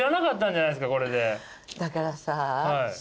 だからさ。